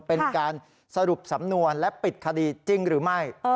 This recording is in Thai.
เป็นการสรุปสำนวนและปิดคดีจริงหรือไม่